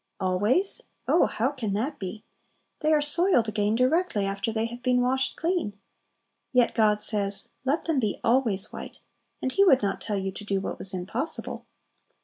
"Always?" Oh, how can that be? They are soiled again directly after they have been washed clean! Yet God says, "Let them be always white;" and He would not tell you to do what was impossible.